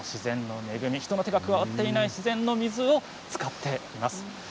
人の手が加わっていない自然の水を使っています。